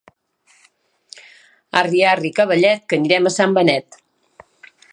Arri, arri, cavallet, que anirem a Sant Benet...